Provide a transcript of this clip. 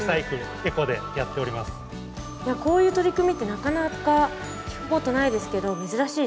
こういう取り組みってなかなか聞くことないですけど珍しいですか？